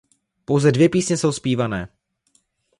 Pouze dvě písně jsou zpívané.